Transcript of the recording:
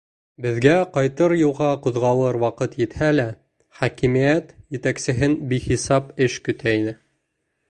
Беҙгә ҡайтыр юлға ҡуҙғалыр ваҡыт етһә лә, хакимиәт етәксеһен бихисап эш көтә ине.